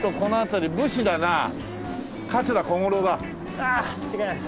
ああ違います。